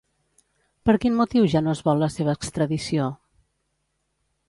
Per quin motiu ja no es vol la seva extradició?